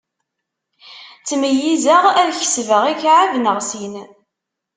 Ttmeyyizeɣ ad kesbeɣ ikɛeb neɣ sin.